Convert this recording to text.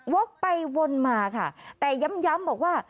วกไปวนมาค่ะแต่ย้ำบอกว่า